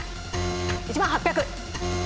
１万８００！